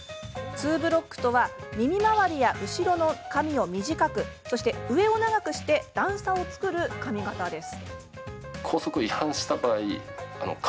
ツーブロックとは耳周りや後ろの髪を短く上を長くして段差を作る髪形です。